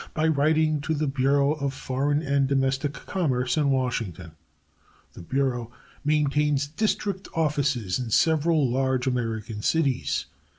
by writing to the Bureau of Foreign and Domestic Commerce, in Washington. The Bureau maintains district offices in several large American cities.